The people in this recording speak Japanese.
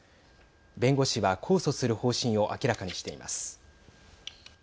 弁護士は控訴する方針を明らかにしています。